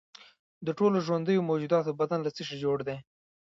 د ټولو ژوندیو موجوداتو بدن له څه شي جوړ دی